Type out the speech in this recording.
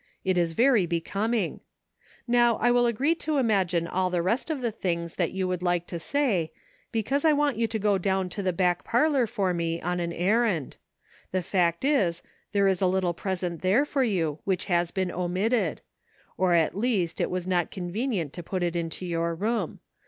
It is very becoming. Now I will agree to imagine all the rest of the things that you would like to say, because I want you to go down to the back parlor for me on an errand. The fact is, there is a little present there for you which has been omitted ; or at least it was not convenient to put it into your room.